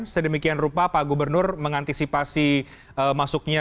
terima kasih pak